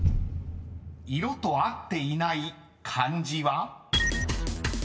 ［色と合っていない漢字は？］